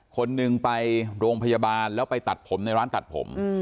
คนหนึ่งไปโรงพยาบาลแล้วไปตัดผมในร้านตัดผม